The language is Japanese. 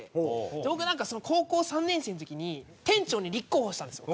僕なんか高校３年生の時に店長に立候補したんです僕。